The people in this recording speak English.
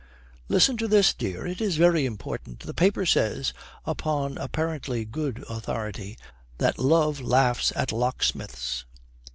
'Listen to this, dear. It is very important. The paper says, upon apparently good authority, that love laughs at locksmiths.'